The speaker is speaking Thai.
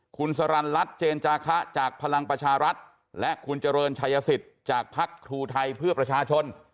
คุณสรรรัฐเจนจาคะจากพลังประชารัฐและคุณเจริญชายสิทธิ์จากพักครูไทยเพื่อประชาชน